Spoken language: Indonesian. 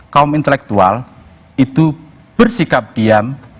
kaum intelektual itu bersikap diam